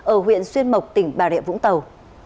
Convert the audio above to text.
ở huyện xuyên mộc tỉnh bà rịa vũng tàu